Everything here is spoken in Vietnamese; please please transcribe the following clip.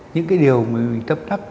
những cái điều mà mình tâm thắc